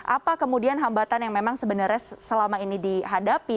apa kemudian hambatan yang memang sebenarnya selama ini dihadapi